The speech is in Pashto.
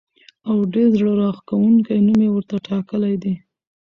او ډېر زړه راښکونکی نوم یې ورته ټاکلی دی.